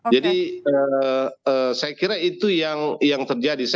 jadi saya kira itu yang terjadi